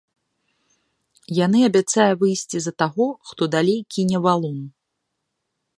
Яны абяцае выйсці за таго, хто далей кіне валун.